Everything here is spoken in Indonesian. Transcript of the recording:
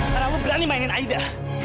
karena lo berani mainin aida